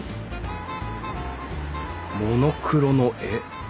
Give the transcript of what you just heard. モノクロの絵。